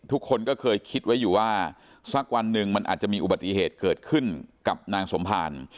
ทุกคนก็เคยคิดไว้อยู่ว่าสักวันหนึ่งมันอาจจะมีอุบัติเหตุเกิดขึ้นกับนางสมภาร